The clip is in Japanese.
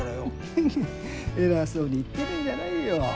フフッ偉そうに言ってるんじゃないよ。